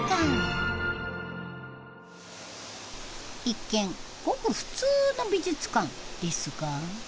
一見ごく普通の美術館ですが。